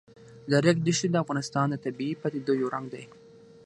د ریګ دښتې د افغانستان د طبیعي پدیدو یو رنګ دی.